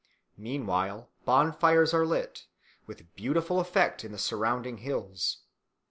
Meanwhile, bonfires are lit, with beautiful effect, in the surrounding hills.